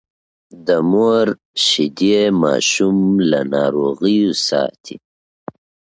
د مور شیدې ماشوم له ناروغیو ساتي۔